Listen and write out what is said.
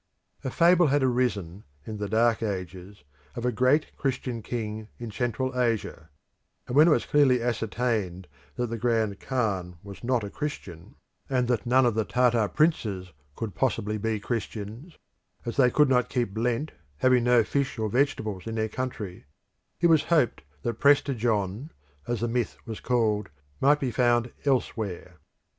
A fable had arisen, in the Dark Ages, of a great Christian king in Central Asia; and when it was clearly ascertained that the Grand Khan was not a Christian, and that none of the Tartar princes could possibly be Christians, as they could not keep Lent, having no fish or vegetables in their country, it was hoped that Prester John, as the myth was called, might be found elsewhere.